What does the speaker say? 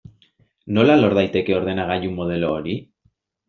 Nola lor daiteke ordenagailu modelo hori?